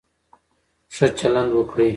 ښه چلند وکړئ.